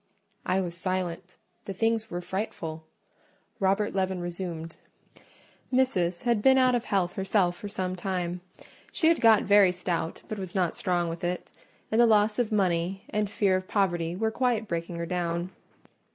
I was silent: the tidings were frightful. Robert Leaven resumed— "Missis had been out of health herself for some time: she had got very stout, but was not strong with it; and the loss of money and fear of poverty were quite breaking her down.